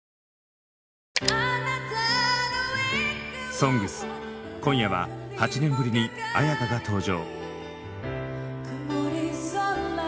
「ＳＯＮＧＳ」今夜は８年ぶりに絢香が登場。